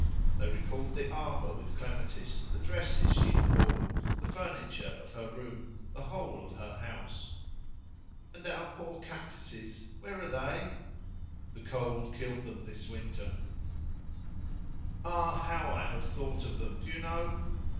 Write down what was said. They recalled the arbour with clematis, the dresses she had worn, the furniture of her room, the whole of her house. "And our poor cactuses, where are they?" "The cold killed them this winter." "Ah! how I have thought of them, do you know?